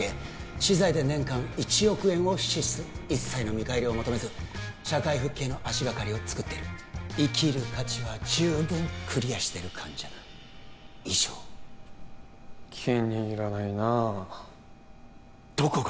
私財で年間１億円を支出一切の見返りを求めず社会復帰への足がかりをつくってる生きる価値は十分クリアしてる患者だ以上気に入らないなあどこが？